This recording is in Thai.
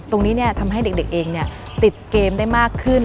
ตรงนี้ทำให้เด็กเองติดเกมได้มากขึ้น